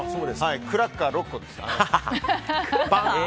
クラッカー６個でした。